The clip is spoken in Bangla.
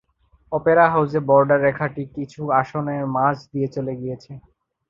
অপেরা হাউজে বর্ডার রেখাটি কিছু আসনের মাঝ দিয়ে চলে গিয়েছে।